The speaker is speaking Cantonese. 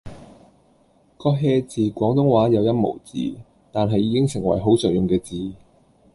個 hea 字廣東話有音無字，但係已經成為好常用嘅字